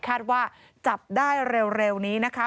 คาดว่าจับได้เร็วนี้นะคะ